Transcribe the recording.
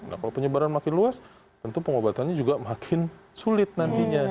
nah kalau penyebaran makin luas tentu pengobatannya juga makin sulit nantinya